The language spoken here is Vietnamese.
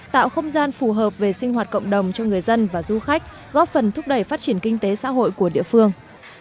tạo không gian phù hợp về sinh hoạt cộng đồng cho người dân và du khách góp phần thúc đẩy phát triển kinh tế xã hội của địa phương